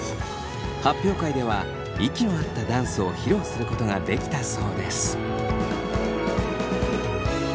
発表会では息の合ったダンスを披露することができたそうです。